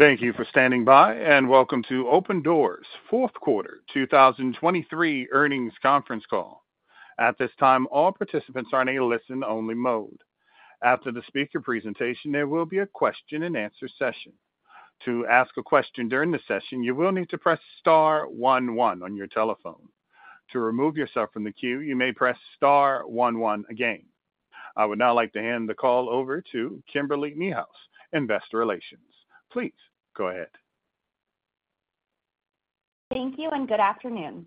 Thank you for standing by, and welcome to Opendoor's Fourth Quarter 2023 Earnings Conference Call. At this time, all participants are in a listen-only mode. After the speaker presentation, there will be a question-and-answer session. To ask a question during the session, you will need to press star one one on your telephone. To remove yourself from the queue, you may press star one one again. I would now like to hand the call over to Kimberly Niehaus, Investor Relations. Please go ahead. Thank you, and good afternoon.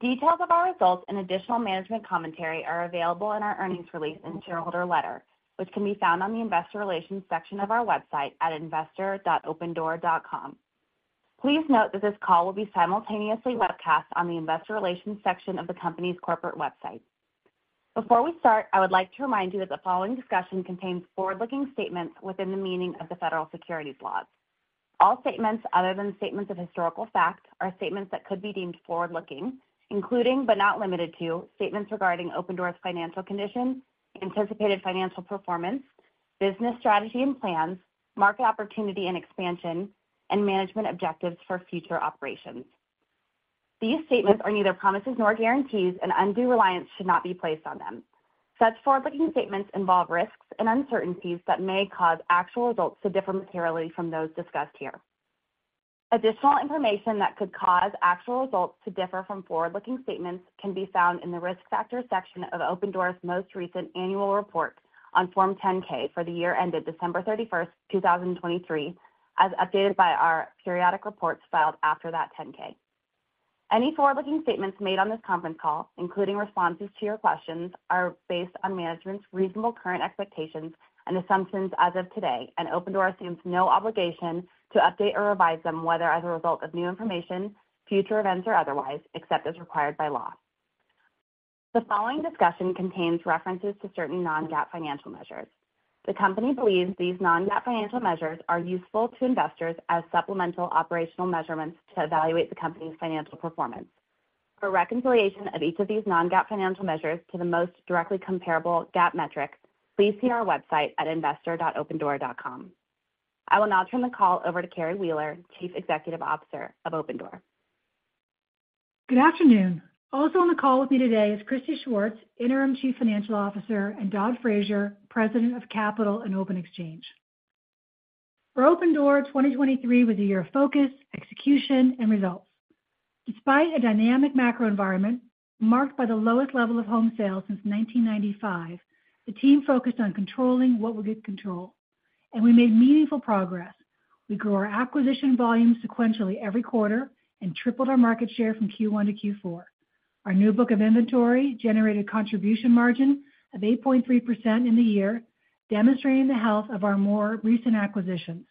Details of our results and additional management commentary are available in our earnings release and shareholder letter, which can be found on the Investor Relations section of our website at investor.opendoor.com. Please note that this call will be simultaneously webcast on the Investor Relations section of the company's corporate website. Before we start, I would like to remind you that the following discussion contains forward-looking statements within the meaning of the federal securities laws. All statements other than statements of historical fact are statements that could be deemed forward-looking, including but not limited to statements regarding Opendoor's financial condition, anticipated financial performance, business strategy and plans, market opportunity and expansion, and management objectives for future operations. These statements are neither promises nor guarantees, and undue reliance should not be placed on them. Such forward-looking statements involve risks and uncertainties that may cause actual results to differ materially from those discussed here. Additional information that could cause actual results to differ from forward-looking statements can be found in the Risk Factors section of Opendoor's most recent annual report on Form 10-K for the year ended December 31st, 2023, as updated by our periodic reports filed after that 10-K. Any forward-looking statements made on this conference call, including responses to your questions, are based on management's reasonable current expectations and assumptions as of today, and Opendoor assumes no obligation to update or revise them whether as a result of new information, future events, or otherwise, except as required by law. The following discussion contains references to certain non-GAAP financial measures. The company believes these non-GAAP financial measures are useful to investors as supplemental operational measurements to evaluate the company's financial performance. For reconciliation of each of these non-GAAP financial measures to the most directly comparable GAAP metric, please see our website at investor.opendoor.com. I will now turn the call over to Carrie Wheeler, Chief Executive Officer of Opendoor. Good afternoon. Also on the call with me today is Christy Schwartz, Interim Chief Financial Officer, and Dod Fraser, President of Capital and Open Exchange. For Opendoor, 2023 was a year of focus, execution, and results. Despite a dynamic macro environment marked by the lowest level of home sales since 1995, the team focused on controlling what we could control, and we made meaningful progress. We grew our acquisition volume sequentially every quarter and tripled our market share from Q1 to Q4. Our new book of inventory generated a contribution margin of 8.3% in the year, demonstrating the health of our more recent acquisitions.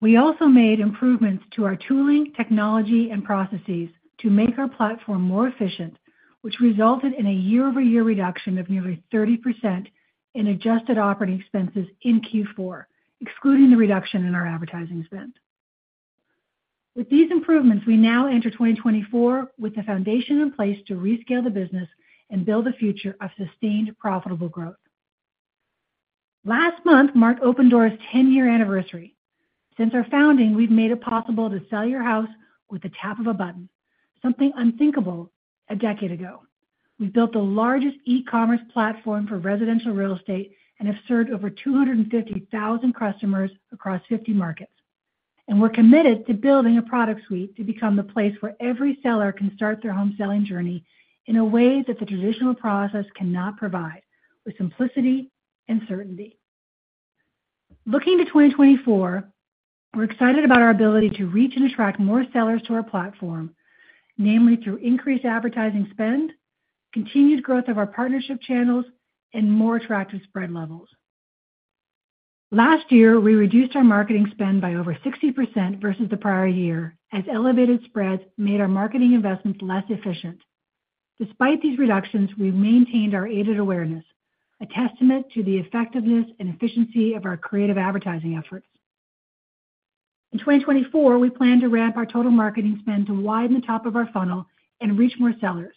We also made improvements to our tooling, technology, and processes to make our platform more efficient, which resulted in a year-over-year reduction of nearly 30% in adjusted operating expenses in Q4, excluding the reduction in our advertising spend. With these improvements, we now enter 2024 with the foundation in place to rescale the business and build a future of sustained, profitable growth. Last month marked Opendoor's 10-year anniversary. Since our founding, we've made it possible to sell your house with the tap of a button, something unthinkable a decade ago. We've built the largest e-commerce platform for residential real estate and have served over 250,000 customers across 50 markets. We're committed to building a product suite to become the place where every seller can start their home selling journey in a way that the traditional process cannot provide, with simplicity and certainty. Looking to 2024, we're excited about our ability to reach and attract more sellers to our platform, namely through increased advertising spend, continued growth of our partnership channels, and more attractive spread levels. Last year, we reduced our marketing spend by over 60% versus the prior year as elevated spreads made our marketing investments less efficient. Despite these reductions, we've maintained our aided awareness, a testament to the effectiveness and efficiency of our creative advertising efforts. In 2024, we plan to ramp our total marketing spend to widen the top of our funnel and reach more sellers,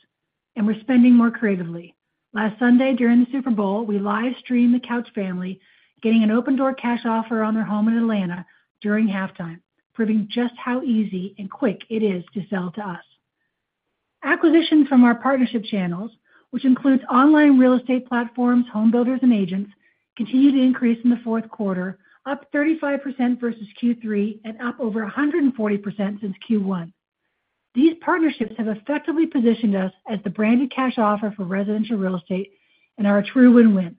and we're spending more creatively. Last Sunday during the Super Bowl, we livestreamed the Couch family getting an Opendoor cash offer on their home in Atlanta during halftime, proving just how easy and quick it is to sell to us. Acquisitions from our partnership channels, which includes online real estate platforms, homebuilders, and agents, continue to increase in the fourth quarter, up 35% versus Q3 and up over 140% since Q1. These partnerships have effectively positioned us as the branded cash offer for residential real estate and are a true win-win.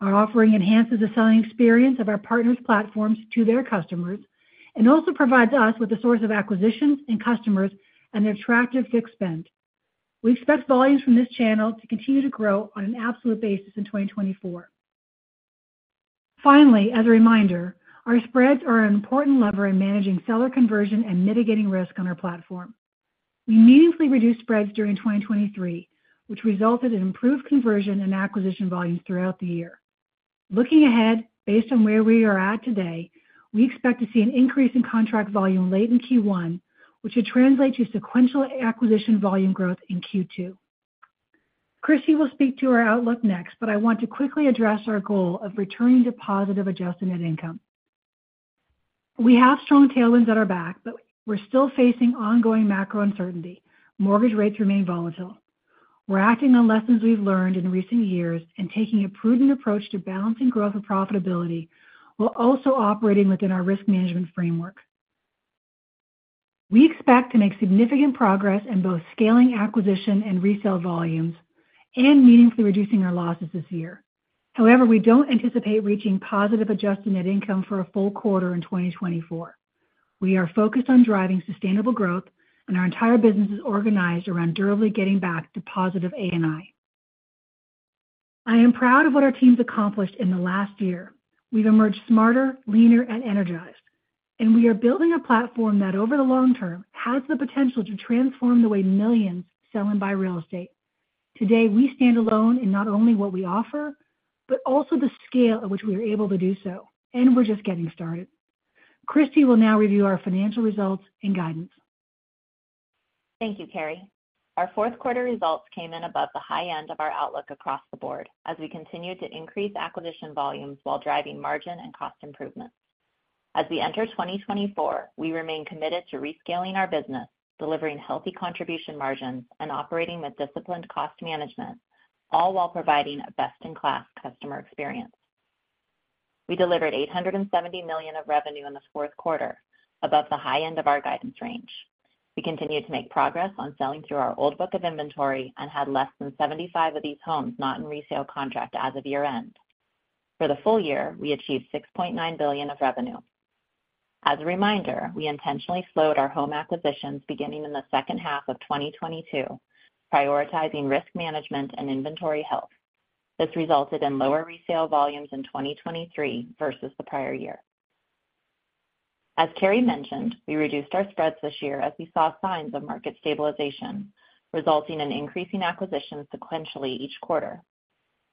Our offering enhances the selling experience of our partners' platforms to their customers and also provides us with a source of acquisitions and customers and attractive fixed spend. We expect volumes from this channel to continue to grow on an absolute basis in 2024. Finally, as a reminder, our spreads are an important lever in managing seller conversion and mitigating risk on our platform. We meaningfully reduced spreads during 2023, which resulted in improved conversion and acquisition volumes throughout the year. Looking ahead, based on where we are at today, we expect to see an increase in contract volume late in Q1, which would translate to sequential acquisition volume growth in Q2. Christy will speak to our outlook next, but I want to quickly address our goal of returning to positive adjusted net income. We have strong tailwinds at our back, but we're still facing ongoing macro uncertainty. Mortgage rates remain volatile. We're acting on lessons we've learned in recent years and taking a prudent approach to balancing growth and profitability while also operating within our risk management framework. We expect to make significant progress in both scaling acquisition and resale volumes and meaningfully reducing our losses this year. However, we don't anticipate reaching positive adjusted net income for a full quarter in 2024. We are focused on driving sustainable growth, and our entire business is organized around durably getting back to positive A&I. I am proud of what our team's accomplished in the last year. We've emerged smarter, leaner, and energized, and we are building a platform that, over the long term, has the potential to transform the way millions sell and buy real estate. Today, we stand alone in not only what we offer but also the scale at which we are able to do so, and we're just getting started. Christy will now review our financial results and guidance. Thank you, Carrie. Our fourth quarter results came in above the high end of our outlook across the board as we continue to increase acquisition volumes while driving margin and cost improvements. As we enter 2024, we remain committed to rescaling our business, delivering healthy contribution margins, and operating with disciplined cost management, all while providing a best-in-class customer experience. We delivered $870 million of revenue in the fourth quarter, above the high end of our guidance range. We continue to make progress on selling through our old book of inventory and had less than 75 of these homes not in resale contract as of year-end. For the full year, we achieved $6.9 billion of revenue. As a reminder, we intentionally slowed our home acquisitions beginning in the second half of 2022, prioritizing risk management and inventory health. This resulted in lower resale volumes in 2023 versus the prior year. As Carrie mentioned, we reduced our spreads this year as we saw signs of market stabilization, resulting in increasing acquisitions sequentially each quarter.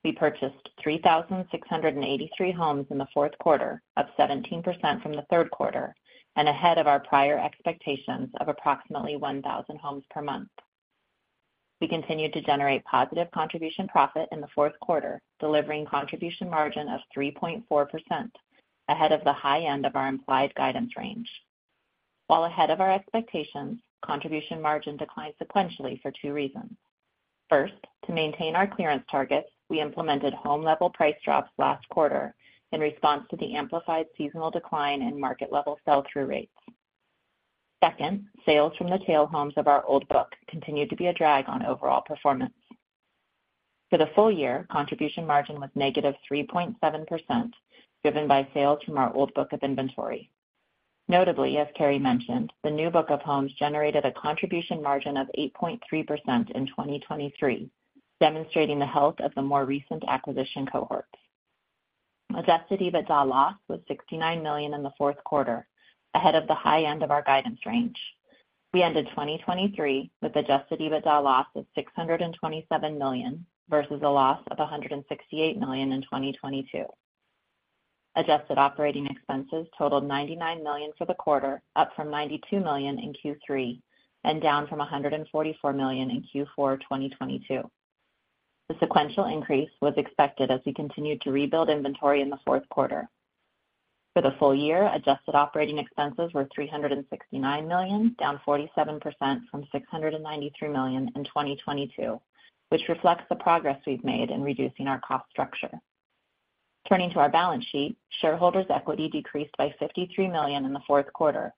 We purchased 3,683 homes in the fourth quarter, up 17% from the third quarter and ahead of our prior expectations of approximately 1,000 homes per month. We continue to generate positive contribution profit in the fourth quarter, delivering a contribution margin of 3.4% ahead of the high end of our implied guidance range. While ahead of our expectations, contribution margin declined sequentially for two reasons. First, to maintain our clearance targets, we implemented home-level price drops last quarter in response to the amplified seasonal decline in market-level sell-through rates. Second, sales from the tail homes of our old book continued to be a drag on overall performance. For the full year, contribution margin was negative 3.7%, driven by sales from our old book of inventory. Notably, as Carrie mentioned, the new book of homes generated a contribution margin of 8.3% in 2023, demonstrating the health of the more recent acquisition cohorts. Adjusted EBITDA loss was $69 million in the fourth quarter, ahead of the high end of our guidance range. We ended 2023 with adjusted EBITDA loss of $627 million versus a loss of $168 million in 2022. Adjusted operating expenses totaled $99 million for the quarter, up from $92 million in Q3 and down from $144 million in Q4 2022. The sequential increase was expected as we continued to rebuild inventory in the fourth quarter. For the full year, adjusted operating expenses were $369 million, down 47% from $693 million in 2022, which reflects the progress we've made in reducing our cost structure. Turning to our balance sheet, shareholders' equity decreased by $53 million in the fourth quarter.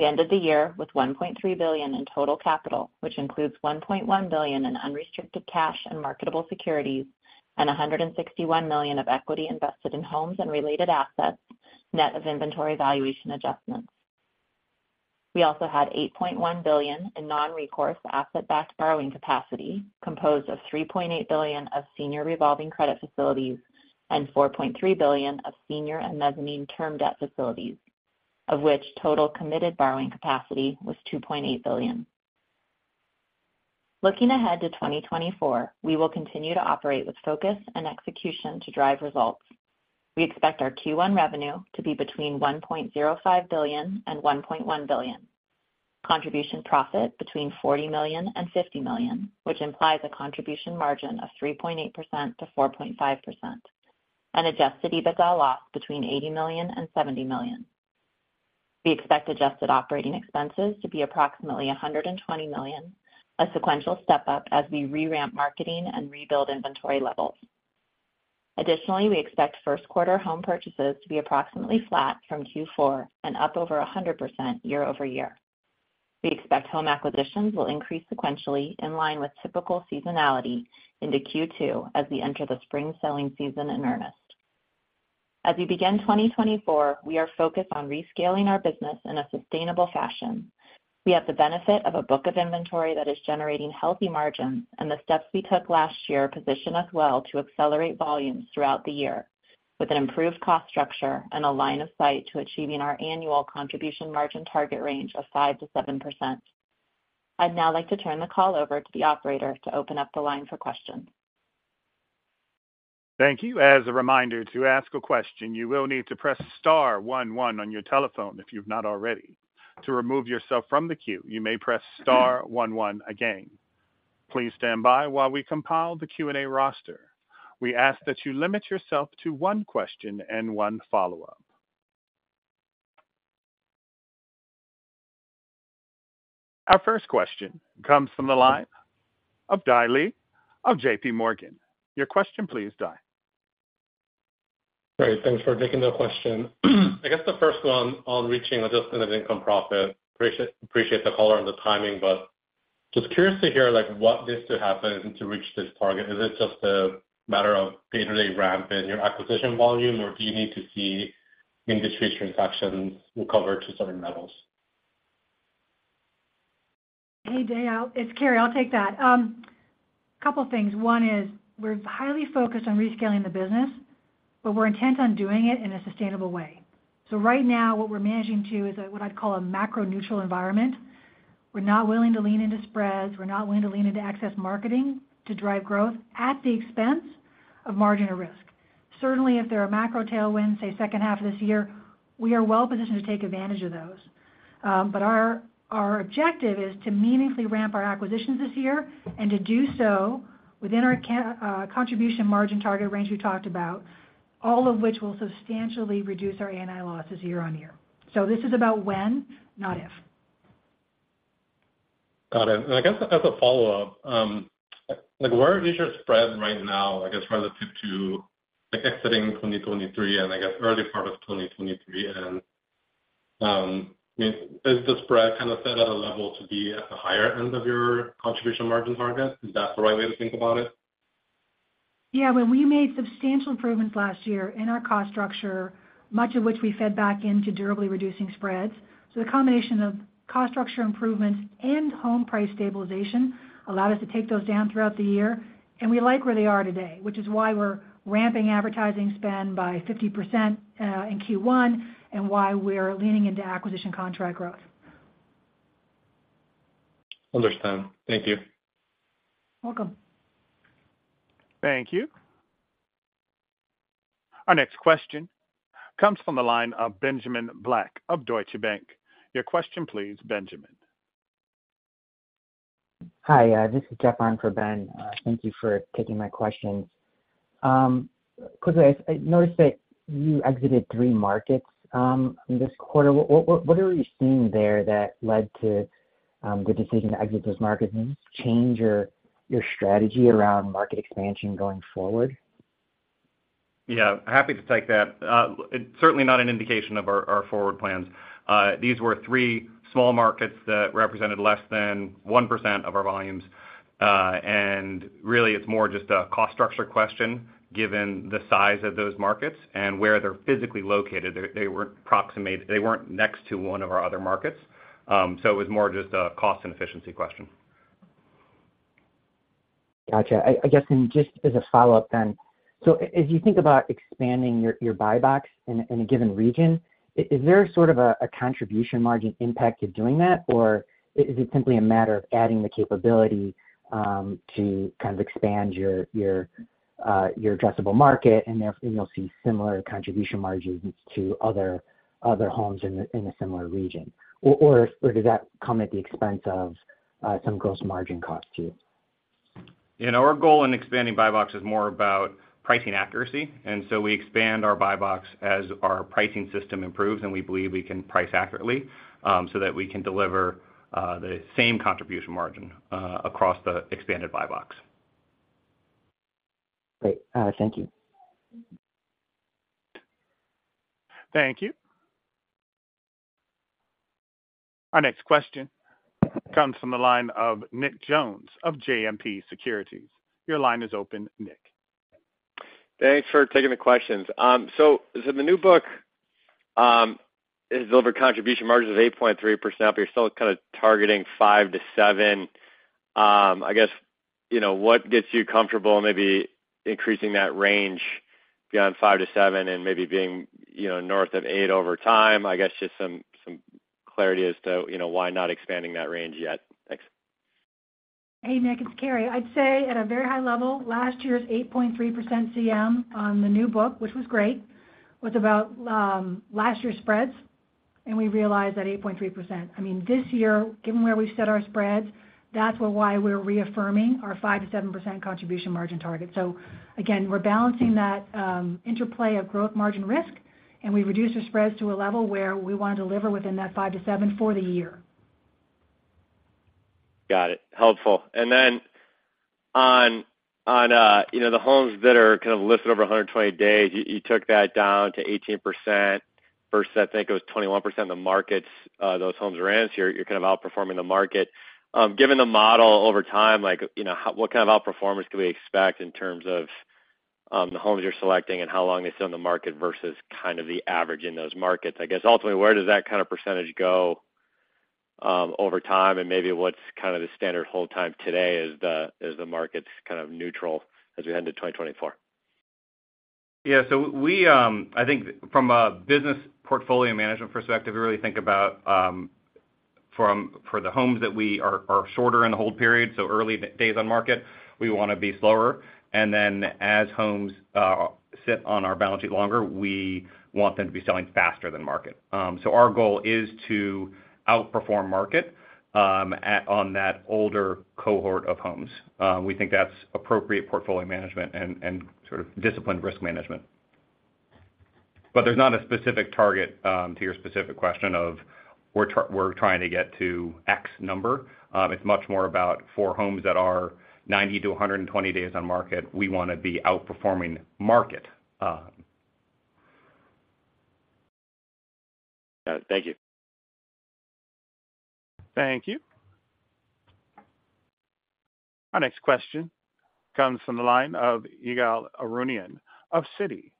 We ended the year with $1.3 billion in total capital, which includes $1.1 billion in unrestricted cash and marketable securities and $161 million of equity invested in homes and related assets, net of inventory valuation adjustments. We also had $8.1 billion in non-recourse asset-backed borrowing capacity, composed of $3.8 billion of senior revolving credit facilities and $4.3 billion of senior and mezzanine term debt facilities, of which total committed borrowing capacity was $2.8 billion. Looking ahead to 2024, we will continue to operate with focus and execution to drive results. We expect our Q1 revenue to be between $1.05 billion and $1.1 billion, contribution profit between $40 million and $50 million, which implies a contribution margin of 3.8%-4.5%, and Adjusted EBITDA loss between $80 million and $70 million. We expect adjusted operating expenses to be approximately $120 million, a sequential step-up as we reramp marketing and rebuild inventory levels. Additionally, we expect first-quarter home purchases to be approximately flat from Q4 and up over 100% year-over-year. We expect home acquisitions will increase sequentially in line with typical seasonality into Q2 as we enter the spring selling season in earnest. As we begin 2024, we are focused on rescaling our business in a sustainable fashion. We have the benefit of a book of inventory that is generating healthy margins, and the steps we took last year position us well to accelerate volumes throughout the year with an improved cost structure and a line of sight to achieving our annual contribution margin target range of 5%-7%. I'd now like to turn the call over to the operator to open up the line for questions. Thank you. As a reminder, to ask a question, you will need to press star one one on your telephone if you've not already. To remove yourself from the queue, you may press star one one again. Please stand by while we compile the Q&A roster. We ask that you limit yourself to one question and one follow-up. Our first question comes from the line of Dae Lee of J.P. Morgan. Your question, please, Dae. Great. Thanks for taking the question. I guess the first one on reaching adjusted net income profit. Appreciate the color and the timing, but just curious to hear what needs to happen to reach this target. Is it just a matter of day-to-day ramp in your acquisition volume, or do you need to see industry transactions recover to certain levels? Hey, Dae. It's Carrie. I'll take that. A couple of things. One is we're highly focused on rescaling the business, but we're intent on doing it in a sustainable way. So right now, what we're managing to is what I'd call a macro-neutral environment. We're not willing to lean into spreads. We're not willing to lean into excess marketing to drive growth at the expense of margin or risk. Certainly, if there are macro tailwinds, say, second half of this year, we are well positioned to take advantage of those. But our objective is to meaningfully ramp our acquisitions this year and to do so within our contribution margin target range we talked about, all of which will substantially reduce our A&I losses year-on-year. So this is about when, not if. Got it. And I guess as a follow-up, where is your spread right now, I guess, relative to exiting 2023 and, I guess, early part of 2023? And I mean, is the spread kind of set at a level to be at the higher end of your contribution margin target? Is that the right way to think about it? Yeah. I mean, we made substantial improvements last year in our cost structure, much of which we fed back into durably reducing spreads. So the combination of cost structure improvements and home price stabilization allowed us to take those down throughout the year. And we like where they are today, which is why we're ramping advertising spend by 50% in Q1 and why we're leaning into acquisition contract growth. Understand. Thank you. Welcome. Thank you. Our next question comes from the line of Benjamin Black of Deutsche Bank. Your question, please, Benjamin. Hi. This is Jeff on for Ben. Thank you for taking my questions. Quickly, I noticed that you exited three markets this quarter. What are you seeing there that led to the decision to exit those markets? Did this change your strategy around market expansion going forward? Yeah. Happy to take that. It's certainly not an indication of our forward plans. These were three small markets that represented less than 1% of our volumes. And really, it's more just a cost structure question given the size of those markets and where they're physically located. They weren't next to one of our other markets. So it was more just a cost and efficiency question. Gotcha. I guess just as a follow-up then, so as you think about expanding your buy box in a given region, is there sort of a contribution margin impact to doing that, or is it simply a matter of adding the capability to kind of expand your addressable market, and you'll see similar contribution margins to other homes in a similar region? Or does that come at the expense of some gross margin cost too? Our goal in expanding buy box is more about pricing accuracy. And so we expand our buy box as our pricing system improves, and we believe we can price accurately so that we can deliver the same contribution margin across the expanded buy box. Great. Thank you. Thank you. Our next question comes from the line of Nick Jones of JMP Securities. Your line is open, Nick. Thanks for taking the questions. So the new book has delivered contribution margins of 8.3%, but you're still kind of targeting 5%-7%. I guess what gets you comfortable maybe increasing that range beyond 5%-7% and maybe being north of 8% over time? I guess just some clarity as to why not expanding that range yet. Thanks. Hey, Nick. It's Carrie. I'd say at a very high level, last year's 8.3% CM on the new book, which was great, was about last year's spreads, and we realized that 8.3%. I mean, this year, given where we've set our spreads, that's why we're reaffirming our 5%-7% contribution margin target. So again, we're balancing that interplay of growth, margin, risk, and we've reduced our spreads to a level where we want to deliver within that 5%-7% for the year. Got it. Helpful. And then on the homes that are kind of listed over 120 days, you took that down to 18% versus, I think, it was 21% of the markets those homes were in. So you're kind of outperforming the market. Given the model over time, what kind of outperformance can we expect in terms of the homes you're selecting and how long they sit on the market versus kind of the average in those markets? I guess ultimately, where does that kind of percentage go over time? And maybe what's kind of the standard hold time today as the market's kind of neutral as we head into 2024? Yeah. So I think from a business portfolio management perspective, we really think about for the homes that are shorter in the hold period, so early days on market, we want to be slower. And then as homes sit on our balance sheet longer, we want them to be selling faster than market. So our goal is to outperform market on that older cohort of homes. We think that's appropriate portfolio management and sort of disciplined risk management. But there's not a specific target to your specific question of, "We're trying to get to X number." It's much more about for homes that are 90-120 days on market, we want to be outperforming market. Got it. Thank you. Thank you. Our next question comes from the line of Ygal Arounian of Citi.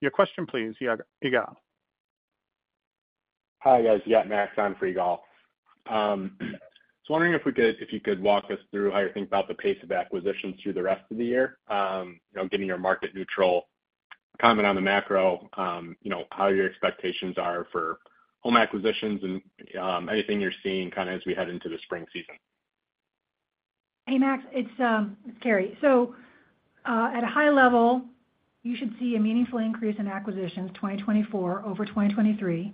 Your question, please, Ygal. Hi, guys. Yeah, Max on for Ygal. I was wondering if you could walk us through how you're thinking about the pace of acquisitions through the rest of the year, getting your market-neutral comment on the macro, how your expectations are for home acquisitions, and anything you're seeing kind of as we head into the spring season? Hey, Max. It's Carrie. So at a high level, you should see a meaningful increase in acquisitions 2024 over 2023.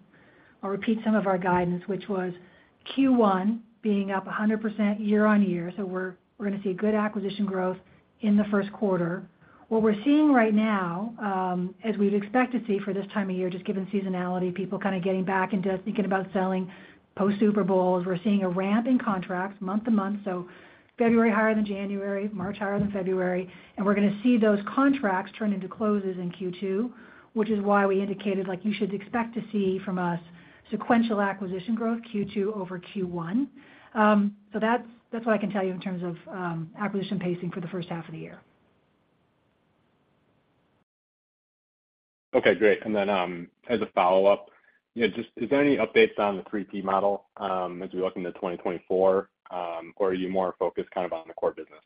I'll repeat some of our guidance, which was Q1 being up 100% year-over-year. So we're going to see good acquisition growth in the first quarter. What we're seeing right now, as we would expect to see for this time of year, just given seasonality, people kind of getting back and thinking about selling post-Super Bowls, we're seeing a ramp in contracts month-over-month. So February higher than January, March higher than February. And we're going to see those contracts turn into closes in Q2, which is why we indicated you should expect to see from us sequential acquisition growth Q2 over Q1. So that's what I can tell you in terms of acquisition pacing for the first half of the year. Okay. Great. And then, as a follow-up, is there any updates on the 3P model as we look into 2024, or are you more focused kind of on the core business?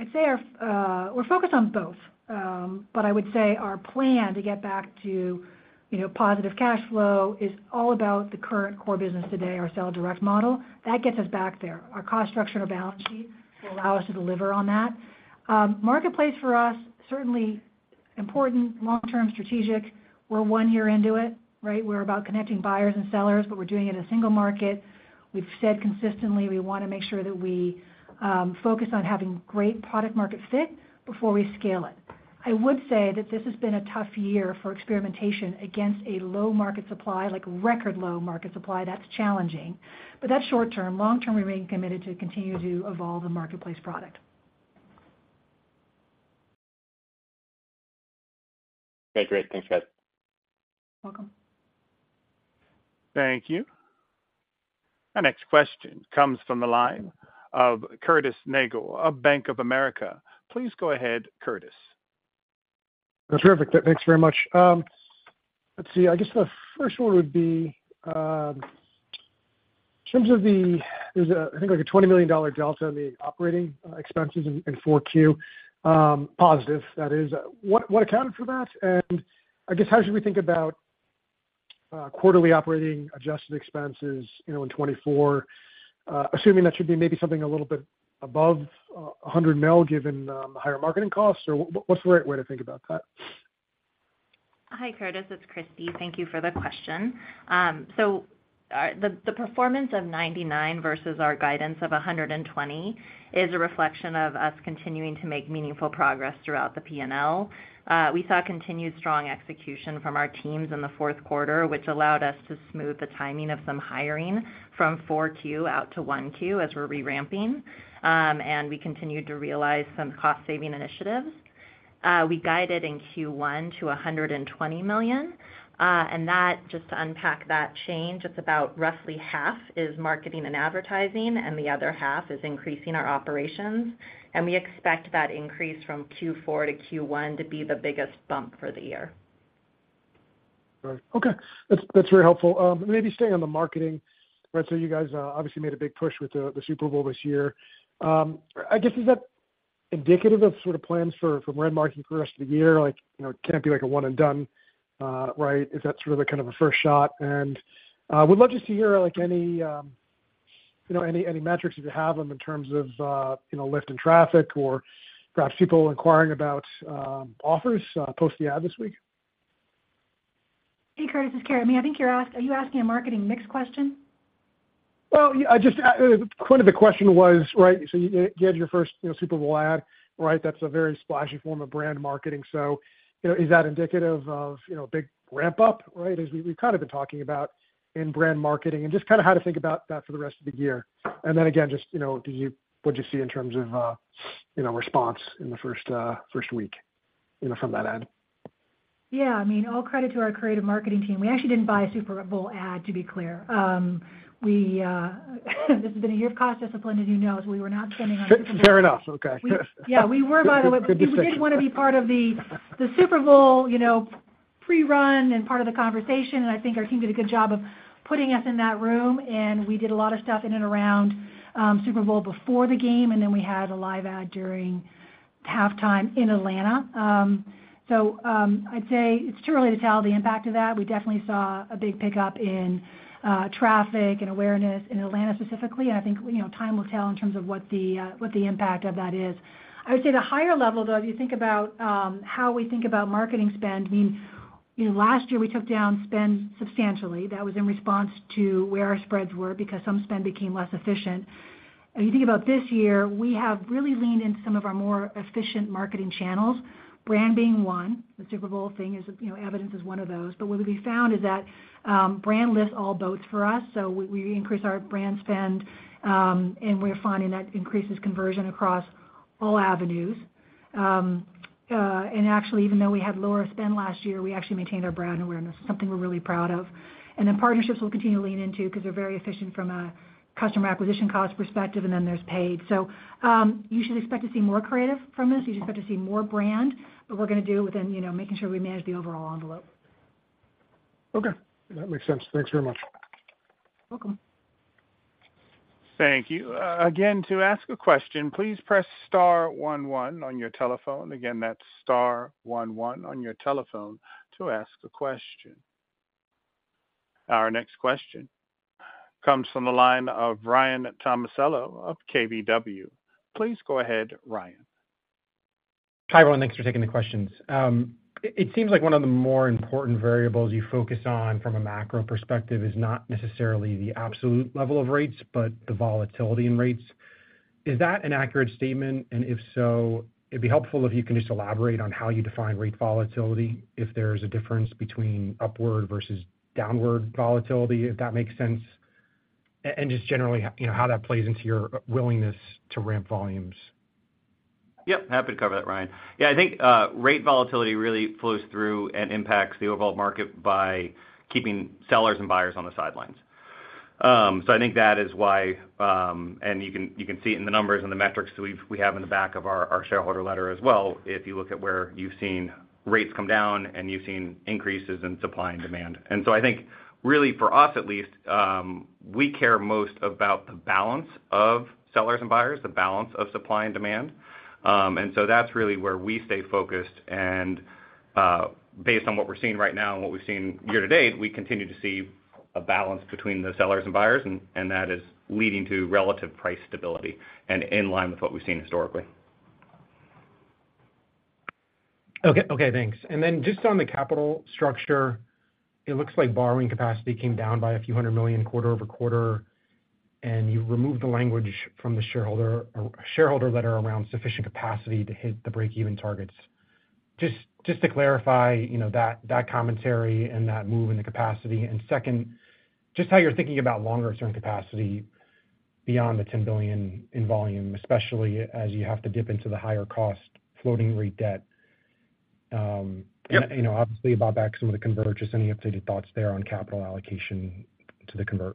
I'd say we're focused on both. But I would say our plan to get back to positive cash flow is all about the current core business today, our sell direct model. That gets us back there. Our cost structure and our balance sheet will allow us to deliver on that. Marketplace for us, certainly important, long-term, strategic. We're one year into it, right? We're about connecting buyers and sellers, but we're doing it in a single market. We've said consistently we want to make sure that we focus on having great product-market fit before we scale it. I would say that this has been a tough year for experimentation against a low market supply, record low market supply. That's challenging. But that's short term. Long term, we remain committed to continue to evolve the marketplace product. Okay. Great. Thanks, guys. Welcome. Thank you. Our next question comes from the line of Curtis Nagle of Bank of America. Please go ahead, Curtis. Terrific. Thanks very much. Let's see. I guess the first one would be in terms of, there's, I think, a $20 million delta in the operating expenses in 4Q, positive, that is. What accounted for that? And I guess how should we think about quarterly adjusted operating expenses in 2024, assuming that should be maybe something a little bit above $100 million given higher marketing costs? Or what's the right way to think about that? Hi, Curtis. It's Christy. Thank you for the question. So the performance of $99 million versus our guidance of $120 million is a reflection of us continuing to make meaningful progress throughout the P&L. We saw continued strong execution from our teams in the fourth quarter, which allowed us to smooth the timing of some hiring from 4Q out to 1Q as we're reramping. And we continued to realize some cost-saving initiatives. We guided in Q1 to $120 million. And just to unpack that change, it's about roughly half is marketing and advertising, and the other half is increasing our operations. And we expect that increase from Q4 to Q1 to be the biggest bump for the year. Okay. That's very helpful. Maybe staying on the marketing, right? So you guys obviously made a big push with the Super Bowl this year. I guess is that indicative of sort of plans for remarketing for the rest of the year? It can't be a one-and-done, right? Is that sort of kind of a first shot? And we'd love to see here any metrics if you have them in terms of lift in traffic or perhaps people inquiring about offers post the ad this week. Hey, Curtis. It's Carrie. I mean, I think you're asking a marketing mix question? Well, point of the question was, right? So you had your first Super Bowl ad, right? That's a very splashy form of brand marketing. So is that indicative of a big ramp-up, right, as we've kind of been talking about in brand marketing and just kind of how to think about that for the rest of the year? And then again, just what'd you see in terms of response in the first week from that ad? Yeah. I mean, all credit to our creative marketing team. We actually didn't buy a Super Bowl ad, to be clear. This has been a year of cost discipline, as you know. So we were not spending on Super Bowl. Fair enough. Okay. Yeah. We were, by the way. We did want to be part of the Super Bowl prerun and part of the conversation. I think our team did a good job of putting us in that room. We did a lot of stuff in and around Super Bowl before the game. Then we had a live ad during halftime in Atlanta. So I'd say it's too early to tell the impact of that. We definitely saw a big pickup in traffic and awareness in Atlanta specifically. I think time will tell in terms of what the impact of that is. I would say the higher level, though, if you think about how we think about marketing spend. I mean, last year, we took down spend substantially. That was in response to where our spreads were because some spend became less efficient. If you think about this year, we have really leaned into some of our more efficient marketing channels, brand being one. The Super Bowl thing is evidence, is one of those. But what we found is that brand lifts all boats for us. So we increase our brand spend, and we're finding that increases conversion across all avenues. And actually, even though we had lower spend last year, we actually maintained our brand awareness, something we're really proud of. And then partnerships we'll continue to lean into because they're very efficient from a customer acquisition cost perspective. And then there's paid. So you should expect to see more creative from this. You should expect to see more brand. But we're going to do it within making sure we manage the overall envelope. Okay. That makes sense. Thanks very much. Welcome. Thank you. Again, to ask a question, please press star one one on your telephone. Again, that's star one one on your telephone to ask a question. Our next question comes from the line of Ryan Tomasello of KBW. Please go ahead, Ryan. Hi, everyone. Thanks for taking the questions. It seems like one of the more important variables you focus on from a macro perspective is not necessarily the absolute level of rates, but the volatility in rates. Is that an accurate statement? And if so, it'd be helpful if you can just elaborate on how you define rate volatility, if there's a difference between upward versus downward volatility, if that makes sense, and just generally how that plays into your willingness to ramp volumes. Yep. Happy to cover that, Ryan. Yeah. I think rate volatility really flows through and impacts the overall market by keeping sellers and buyers on the sidelines. I think that is why and you can see it in the numbers and the metrics that we have in the back of our shareholder letter as well if you look at where you've seen rates come down and you've seen increases in supply and demand. I think really, for us at least, we care most about the balance of sellers and buyers, the balance of supply and demand. That's really where we stay focused. Based on what we're seeing right now and what we've seen year to date, we continue to see a balance between the sellers and buyers. That is leading to relative price stability and in line with what we've seen historically. Okay. Okay. Thanks. And then just on the capital structure, it looks like borrowing capacity came down by $a few hundred million quarter-over-quarter. And you removed the language from the shareholder letter around sufficient capacity to hit the break-even targets. Just to clarify that commentary and that move in the capacity. And second, just how you're thinking about longer-term capacity beyond the $10 billion in volume, especially as you have to dip into the higher-cost floating-rate debt. Obviously, buy back some of the convert. Just any updated thoughts there on capital allocation to the convert?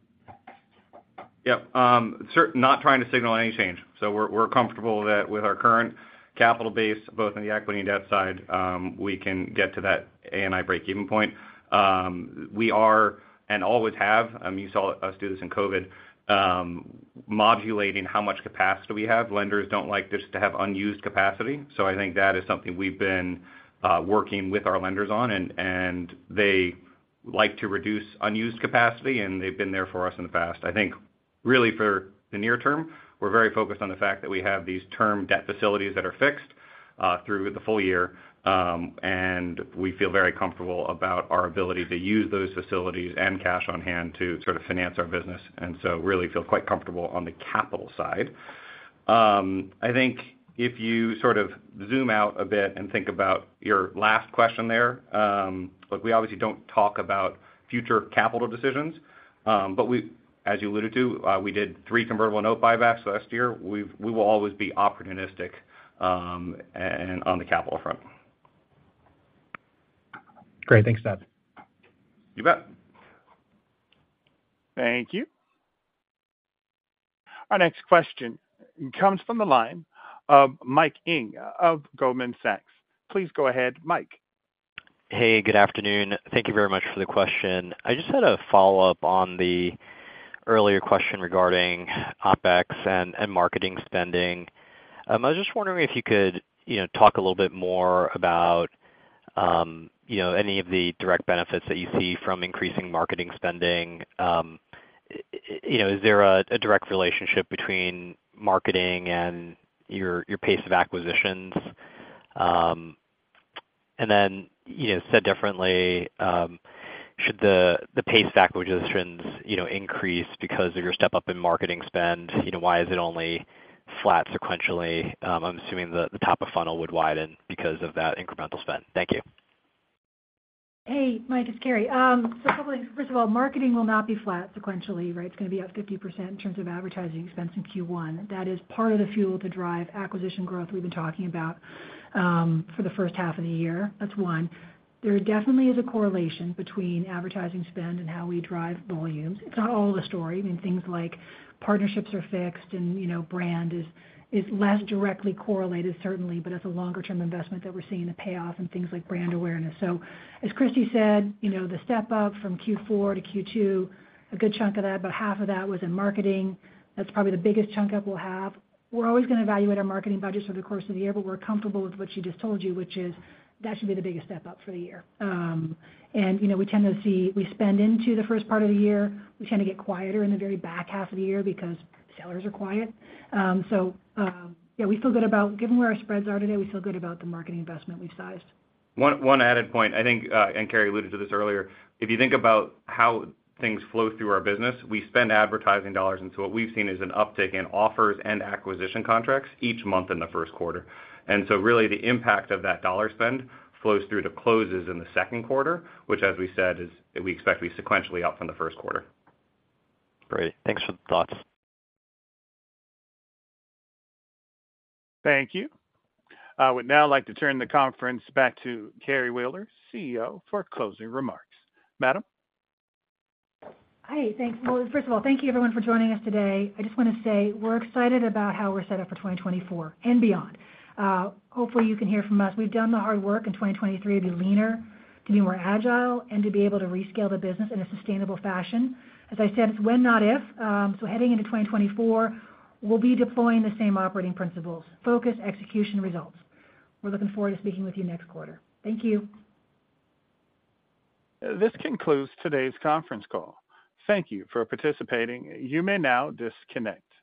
Yep. Not trying to signal any change. So we're comfortable with our current capital base, both on the equity and debt side. We can get to that A&I break-even point. We are and always have, you saw us do this in COVID, modulating how much capacity we have. Lenders don't like just to have unused capacity. So I think that is something we've been working with our lenders on. And they like to reduce unused capacity, and they've been there for us in the past. I think really for the near term, we're very focused on the fact that we have these term debt facilities that are fixed through the full year. And we feel very comfortable about our ability to use those facilities and cash on hand to sort of finance our business and so really feel quite comfortable on the capital side. I think if you sort of zoom out a bit and think about your last question there, look, we obviously don't talk about future capital decisions. But as you alluded to, we did three convertible note buybacks last year. We will always be opportunistic on the capital front. Great. Thanks, Dod. You bet. Thank you. Our next question comes from the line of Mike Ng of Goldman Sachs. Please go ahead, Mike. Hey. Good afternoon. Thank you very much for the question. I just had a follow-up on the earlier question regarding OpEx and marketing spending. I was just wondering if you could talk a little bit more about any of the direct benefits that you see from increasing marketing spending. Is there a direct relationship between marketing and your pace of acquisitions? And then said differently, should the pace of acquisitions increase because of your step-up in marketing spend, why is it only flat sequentially? I'm assuming the top of funnel would widen because of that incremental spend. Thank you. Hey, Mike. It's Carrie. So a couple of things. First of all, marketing will not be flat sequentially, right? It's going to be up 50% in terms of advertising expense in Q1. That is part of the fuel to drive acquisition growth we've been talking about for the first half of the year. That's one. There definitely is a correlation between advertising spend and how we drive volumes. It's not all the story. I mean, things like partnerships are fixed, and brand is less directly correlated, certainly. But that's a longer-term investment that we're seeing the payoff in things like brand awareness. So as Christy said, the step-up from Q4 to Q2, a good chunk of that, about half of that was in marketing. That's probably the biggest chunk up we'll have. We're always going to evaluate our marketing budgets over the course of the year, but we're comfortable with what she just told you, which is that should be the biggest step-up for the year. We tend to see we spend into the first part of the year. We tend to get quieter in the very back half of the year because sellers are quiet. So yeah, we feel good about given where our spreads are today, we feel good about the marketing investment we've sized. One added point, I think, and Carrie alluded to this earlier. If you think about how things flow through our business, we spend advertising dollars. And so what we've seen is an uptick in offers and acquisition contracts each month in the first quarter. And so really, the impact of that dollar spend flows through to closes in the second quarter, which, as we said, we expect to be sequentially up from the first quarter. Great. Thanks for the thoughts. Thank you. I would now like to turn the conference back to Carrie Wheeler, CEO, for closing remarks. Madam? Hi. Well, first of all, thank you, everyone, for joining us today. I just want to say we're excited about how we're set up for 2024 and beyond. Hopefully, you can hear from us. We've done the hard work in 2023 to be leaner, to be more agile, and to be able to rescale the business in a sustainable fashion. As I said, it's when, not if. So heading into 2024, we'll be deploying the same operating principles: focus, execution, results. We're looking forward to speaking with you next quarter. Thank you. This concludes today's conference call. Thank you for participating. You may now disconnect.